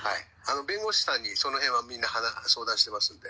弁護士さんにそのへんはみんな相談してますんで。